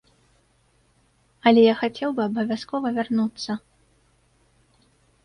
Але я хацеў бы абавязкова вярнуцца.